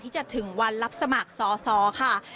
ที่จะถึงวันรับสมัครซ้อค่ะ